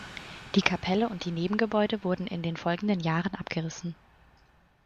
Die Kapelle und die Nebengebäude wurden in den folgenden Jahren abgerissen.